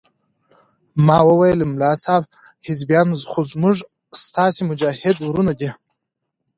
ما وويل ملا صاحب حزبيان خو زموږ ستاسې مجاهد ورونه دي.